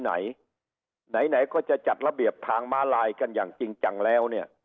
ไหนไหนก็จะจัดระเบียบทางม้าลายกันอย่างจริงจังแล้วเนี่ย